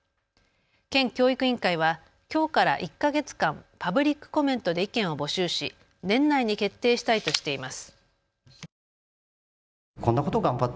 県教育委員会はきょうから１か月間、パブリックコメントで意見を募集し年内に決定したいとしています。